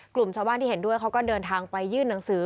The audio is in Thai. กลุ่มชาวบ้านที่เห็นด้วยเขาก็เดินทางไปยื่นหนังสือ